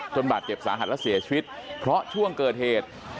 บาดเจ็บสาหัสและเสียชีวิตเพราะช่วงเกิดเหตุ